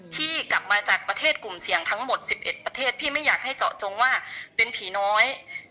ที่กลับมาจากประเทศกลุ่มเสี่ยงทั้งหมด๑๑ประเทศพี่ไม่อยากให้เจาะจงว่าเป็นผีน้อย